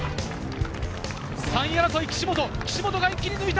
３位争い、岸本、岸本が一気に抜いた。